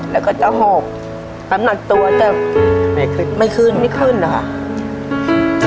แล้วก็จะหอกน้ำหนักตัวจะไม่ขึ้นไม่ขึ้นไม่ขึ้นนะคะ